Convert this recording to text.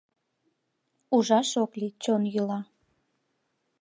Ужаш ок лий - чон йӱла.